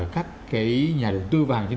các cái nhà đầu tư vàng trên